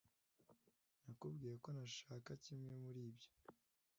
nakubwiye ko ntashaka kimwe muri ibyo